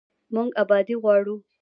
موږ ابادي غواړو